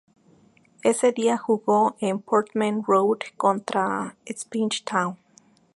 Ese día jugó, en Portman Road, contra Ipswich Town.